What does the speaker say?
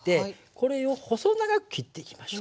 これを細長く切っていきましょう。